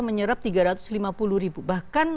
menyerap rp tiga ratus lima puluh bahkan